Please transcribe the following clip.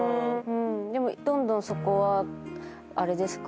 どんどんそこはあれですか？